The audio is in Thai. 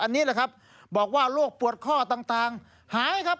อันนี้แหละครับบอกว่าโรคปวดข้อต่างหายครับ